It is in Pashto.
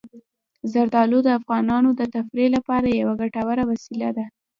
زردالو د افغانانو د تفریح لپاره یوه ګټوره وسیله ده.